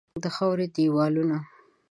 د خاوري دیوالونه